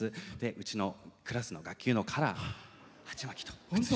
うちのクラスの学級のカラー鉢巻きと。